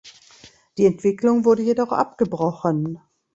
Die Entwicklung wurde jedoch abgebrochen.